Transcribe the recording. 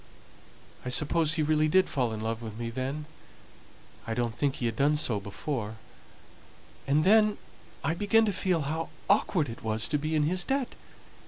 I suppose he really did fall in love with me then. I don't think he had done so before. And then I began to feel how awkward it was to be in his debt.